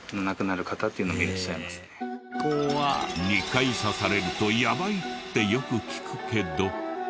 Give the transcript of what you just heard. ２回刺されるとやばいってよく聞くけど。